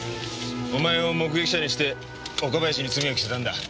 お前を目撃者にして岡林に罪を着せたんだ。